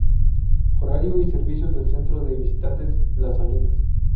Horario y Servicios del Centro de Visitantes "Las Salinas"